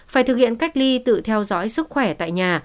phải thực hiện cách ly tự theo dõi sức khỏe tại nhà